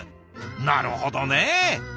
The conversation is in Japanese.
なるほどね。